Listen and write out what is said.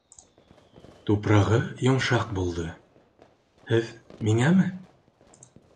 Тупрағы йомшаҡ булды. һеҙ... миңәме?